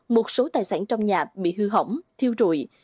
một số tài sản trong nhà bị hư hỏng thiêu rụi